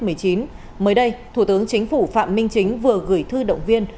mới đây thủ tướng chính phủ phạm minh chính vừa gửi thư động viên